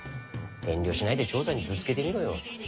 遠慮しないで長さんにぶつけてみろよ。